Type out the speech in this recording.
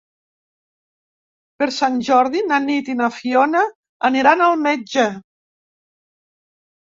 Per Sant Jordi na Nit i na Fiona aniran al metge.